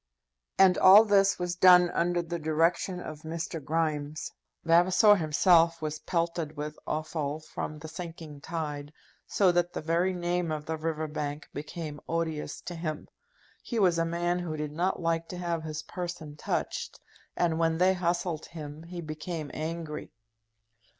And all this was done under the direction of Mr. Grimes. Vavasor himself was pelted with offal from the sinking tide, so that the very name of the River Bank became odious to him. He was a man who did not like to have his person touched, and when they hustled him he became angry.